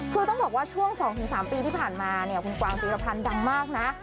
คือต้องบอกว่าช่วง๒๓ปีที่ผ่านมาเนี่ยคุณกวางพีรพันธ์ดังมากนะ